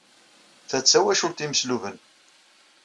Ta d tawacult n yimesluben.